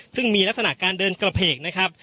ซึ่งมีลักษณะการเดินกระเพกนะครับ